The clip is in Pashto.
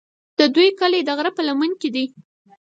د دوی کلی د غره په لمن کې دی.